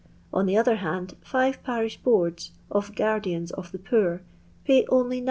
On the other hand, five parish boards of 'guardians of the poor,' pay only 9*.